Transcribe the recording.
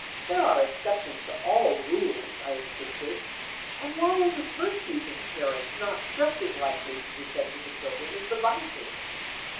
"There are exceptions to all rules," I insisted. "And why are the virtues of the parents not just as likely to descend to the children as the vices?